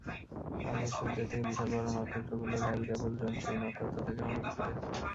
আমাদের সূর্যের থেকে বিশাল বড় নক্ষত্রগুলোর হ্যাবিটেবল জোন সেই নক্ষত্র থেকে অনেক দূরে।